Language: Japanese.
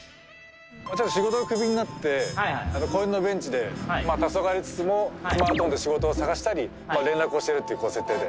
仕事がクビになって公園のベンチでたそがれつつもスマートフォンで仕事を探したり連絡をしてるっていう設定で。